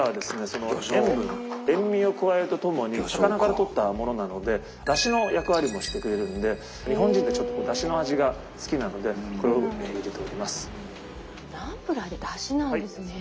その塩分塩みを加えるとともに魚からとったものなのでだしの役割もしてくれるので日本人ってだしの味が好きなのでこれを入れております。